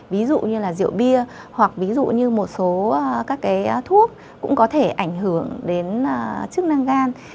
ví dụ như rượu bia hoặc một số thuốc cũng có thể ảnh hưởng đến chức năng gan